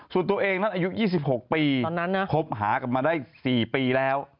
ส่วนตัวเองนั้นอายุ๒๖ปีคบหากันมาได้๔ปีแล้ว